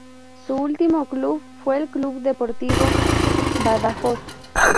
Su último club fue el Club Deportivo Badajoz.